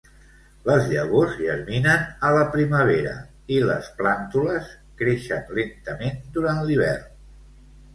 Les llavors germinen a la primavera i les plàntules creixen lentament durant l'hivern.